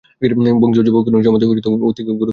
বঙ্গীয় যুবকগণের স্কন্ধে অতি গুরুভার সমর্পিত।